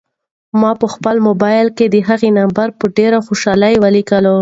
ما په خپل موبایل کې د هغې نمبر په ډېرې خوشحالۍ ولیکه.